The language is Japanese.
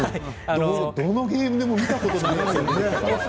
どのゲームでも見たことがない。